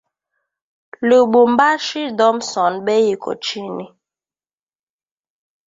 Lubumbashi thomson bei iko chini